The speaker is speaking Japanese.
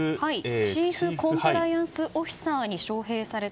チーフコンプライアンスオフィサーに招聘された